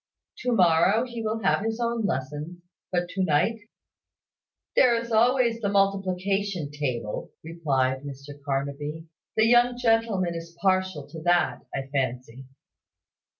To morrow he will have his own lessons; but to night " "There is always the multiplication table," replied Mr Carnaby. "The young gentleman is partial to that, I fancy."